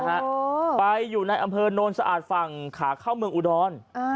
โอ้ไปอยู่ในอำเภอโนนสะอาดฝั่งขาเข้าเมืองอุดรอ่า